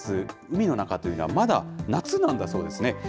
海の中というのは、まだ夏なんだそうですね。